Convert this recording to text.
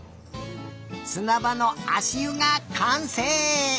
すなばのあしゆがかんせい！